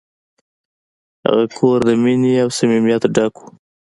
هغه کور د مینې او صمیمیت ډک و.